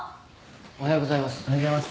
おはようございます。